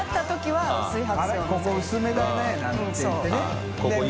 はい？